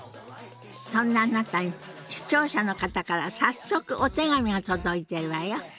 そんなあなたに視聴者の方から早速お手紙が届いているわよ。